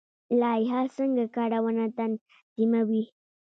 لایحه څنګه کارونه تنظیموي؟